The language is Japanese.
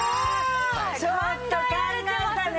ちょっと考えたね。